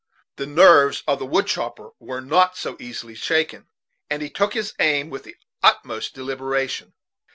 The nerves of the wood chopper were not so easily shaken, and he took his aim with the utmost deliberation.